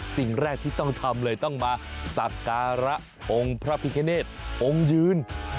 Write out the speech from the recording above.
สิ่งแรกที่ต้องทำเลยต้องมาสักการะองค์พระพิคเนธองค์ยืน